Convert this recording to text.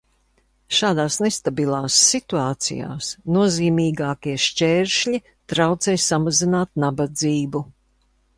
Šādās nestabilās situācijās nozīmīgākie šķēršļi traucē samazināt nabadzību.